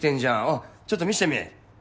おうちょっと見せてみ。